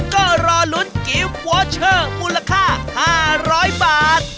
ก็รอลุ้นกิฟต์วอเชอร์มูลค่า๕๐๐บาท